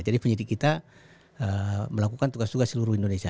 jadi penyidik kita melakukan tugas tugas seluruh indonesia